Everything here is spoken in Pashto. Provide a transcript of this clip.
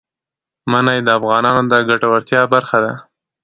منی د افغانانو د ګټورتیا برخه ده.